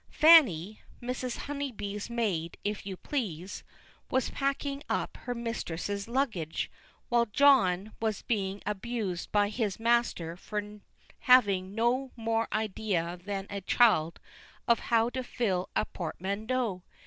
Fanny (Mrs. Honeybee's maid, if you please) was packing up her mistress's luggage, while John was being abused by his master for having no more idea than a child of how to fill a portmanteau.